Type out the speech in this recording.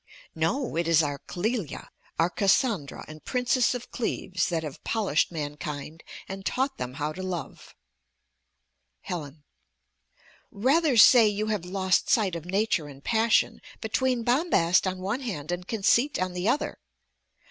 No; it is our Clélia, our Cassandra and Princess of Cleves, that have polished mankind and taught them how to love. Helen Rather say you have lost sight of nature and passion, between bombast on one hand and conceit on the other.